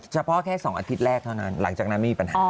เฉพาะแค่๒อาทิตย์แรกเท่านั้นหลังจากนั้นมีปัญหา